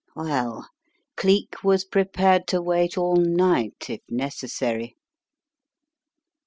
Well, Cleek was prepared to wait all night if necessary.